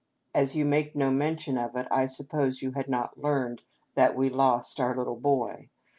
" As you make no mention of it, I suppose you had not learned that we lost our little boy.